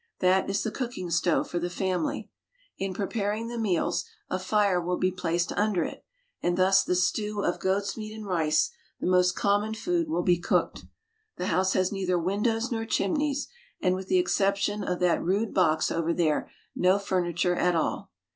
That is the cooking stove for the family. In preparing the meals a fire will be placed under it, and thus the stew of goat's meat and rice, the most common food, will be cooked. The house has neither windows nor chimneys, and, with the exception of that rude box over there, no furniture at all.